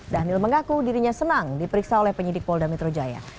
dhanil mengaku dirinya senang diperiksa oleh penyidik polda metro jaya